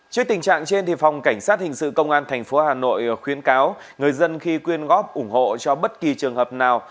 trước tình trạng trên phòng cảnh sát thinh sự công an tp hcm khuyến cáo người dân khi quyên góp ủng hộ cho bất kỳ trường hợp nào